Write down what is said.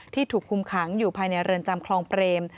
ถูกคุมขังอยู่ภายในเรือนจำคลองเปรม